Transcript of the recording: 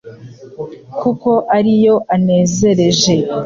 kuko ari yo anezereje